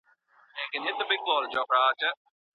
په لاس لیکلنه د فکري رکود مخه نیسي.